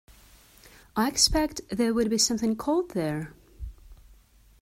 I expect there would be something cold there.